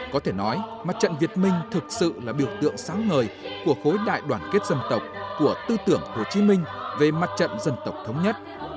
có thể nói mặt trận việt minh thực sự là biểu tượng sáng ngời của khối đại đoàn kết dân tộc của tư tưởng hồ chí minh về mặt trận dân tộc thống nhất